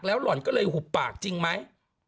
หล่อนก็เลยหุบปากจริงไหม